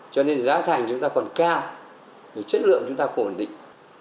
cho nên giá thành chúng ta còn cao chất lượng chúng ta khổ ổn định